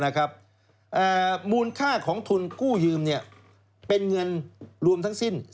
๔ล้าน๖๐๐คนมูลค่าของทุนกู้ยืมเป็นเงินรวมทั้งสิ้น๔๙๓๐๐๐ล้าน